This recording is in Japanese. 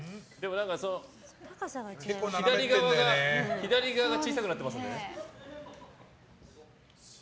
左側が小さくなってますね。